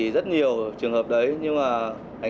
rất nhiều trường hợp đấy nhưng mà